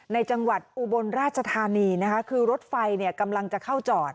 ในจังหวัดอุบลราชธานีนะคะคือรถไฟกำลังจะเข้าจอด